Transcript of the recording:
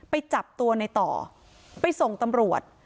ไปจับตัวในต่อไปส่งตำรวจ